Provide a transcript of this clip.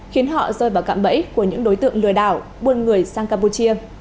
khiến họ rơi vào cạm bẫy của những đối tượng lừa đảo buôn người sang campuchia